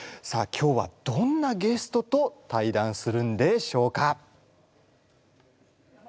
さあ今日はどんなゲストと対談するんでしょうか。